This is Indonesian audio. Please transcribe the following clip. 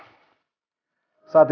tinggalkan setelah beberapa kali